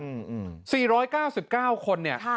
สมาชิกสภาพุทธแห่งราษฎร๔๙๙คนเนี่ย